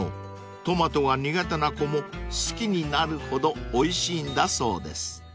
［トマトが苦手な子も好きになるほどおいしいんだそうです］